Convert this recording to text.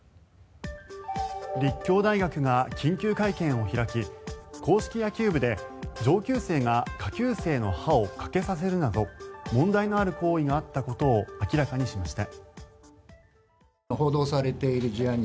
立教大学が緊急会見を開き硬式野球部で上級生が下級生の歯を欠けさせるなど問題のある行為があったことを明らかにしました。